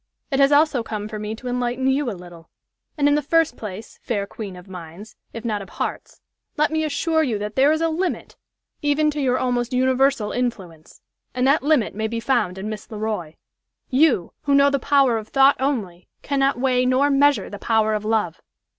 It has also come for me to enlighten you a little. And in the first place, fair queen of minds, if not of hearts, let me assure you that there is a limit even to your almost universal influence. And that limit may be found in Miss Le Roy. You, who know the power of thought only, cannot weigh nor measure the power of love.